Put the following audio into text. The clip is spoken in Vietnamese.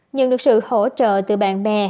nhận được sự hỗ trợ từ bạn bè